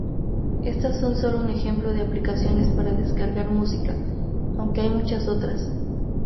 Estas son solo un ejemplo de aplicaciones para descargar música, aunque hay muchas otras.